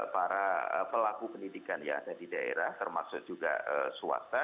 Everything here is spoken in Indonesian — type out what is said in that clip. para pelaku pendidikan yang ada di daerah termasuk juga swasta